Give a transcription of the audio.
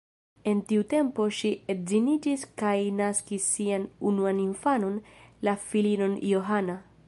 En tiu tempo ŝi edziniĝis kaj naskis sian unuan infanon, la filinon Johanna.